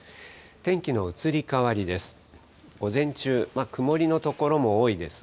天気の移り変わりです。